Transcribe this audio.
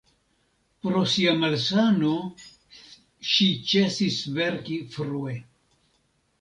Pro sia malsano ŝi ĉesis verki frue.